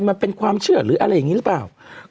มันเป็นความเชื่อหรืออะไรอย่างนี้หรือเปล่า